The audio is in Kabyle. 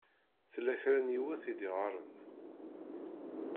Tella kra n yiwet i d-iɣaṛen.